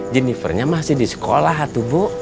jennifer nya masih di sekolah tuh bu